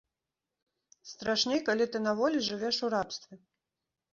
Страшней, калі ты на волі жывеш у рабстве.